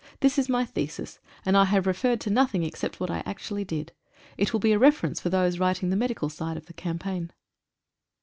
This is my thesis, and I have referred to nothing except what I actually did. It will be a refer ence for those writing the medical side of the campaign.